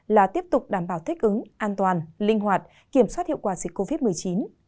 là tiếp tục đảm bảo thích ứng an toàn linh hoạt kiểm soát hiệu quả dịch covid một mươi chín